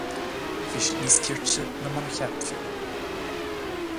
Bhí siad níos cirte ná mar a cheap fiú.